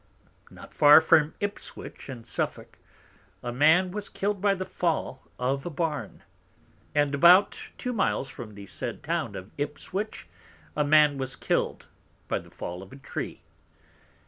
Not far from Ipswich in Suffolk, a Man was killed by the Fall of a Barn. And about two Miles from the said Town of Ipswich, a Man was killed by the Fall of a Tree.